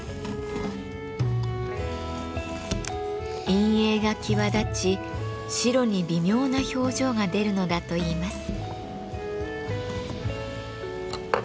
陰影が際立ち白に微妙な表情が出るのだといいます。